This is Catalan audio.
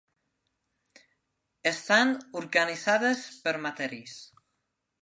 Estan organitzades per matèries.